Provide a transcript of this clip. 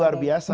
luar biasa ya